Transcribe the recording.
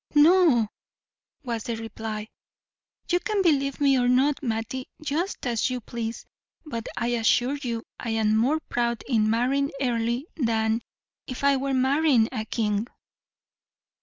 "No," was the reply. "You can believe me or not, Mattie, just as you please, but I assure you I am more proud in marrying Earle than if I were marrying a king."